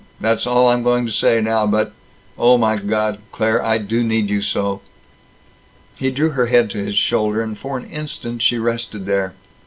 That's all I'm going to say now, but Oh my God, Claire, I do need you so!" He drew her head to his shoulder, and for an instant she rested there.